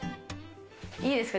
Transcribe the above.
いいですか？